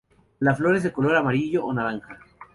La flor es de color amarillo o naranja.